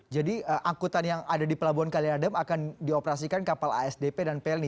jadi angkutan yang ada di pelabuhan kaliadem akan dioperasikan kapal asdp dan plni